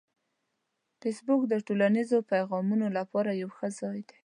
فېسبوک د ټولنیزو پیغامونو لپاره یو ښه ځای دی